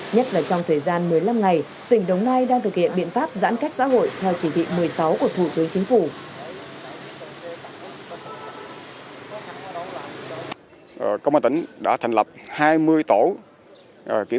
nhất là trong thời gian một mươi năm ngày tỉnh đồng nai đang thực hiện biện pháp giãn cách xã hội